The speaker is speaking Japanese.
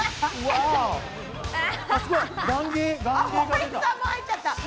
森さんも入っちゃった。